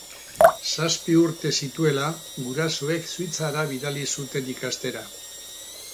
Zazpi urte zituela, gurasoek Suitzara bidali zuten ikastera.